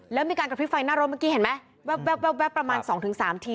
แล้วมีการกระพริกไฟหน้ารถเมื่อกี้เห็นไหมแว๊บแว๊บแว๊บแว๊บประมาณสองถึงสามที